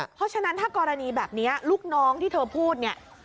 เพราะฉะนั้นถ้ากรณีแบบนี้ลูกน้องที่เธอพูดเนี่ย